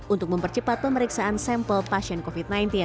untuk mempercepat pemeriksaan sampel pasien covid sembilan belas